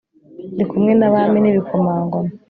ndi kumwe n'abami n'ibikomangoma